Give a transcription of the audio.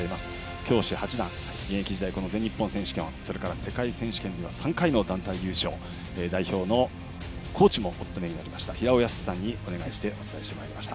教士八段現役時代、全日本選手権それから世界選手権では３回の団体優勝代表のコーチもお務めになりました平尾泰さんにお願いしてお伝えしてまいりました。